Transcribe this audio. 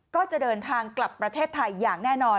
ก็จะเดินทางกลับประเทศไทยอย่างแน่นอน